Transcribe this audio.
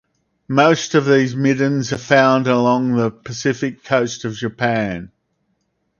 Most of these middens are found along the Pacific coast of Japan.